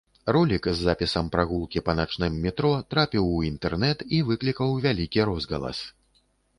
Ролік з запісам прагулкі па начным метро трапіў у інтэрнэт і выклікаў вялікі розгалас.